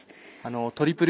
トリプル